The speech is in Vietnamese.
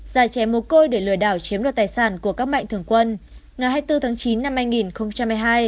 giả chém mồ côi để lừa đảo chiếm luật tài sản của các mạnh thường quân ngày hai mươi bốn tháng chín năm hai nghìn một mươi hai